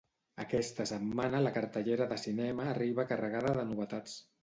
Aquesta setmana la cartellera de cinema arriba carregada de novetats.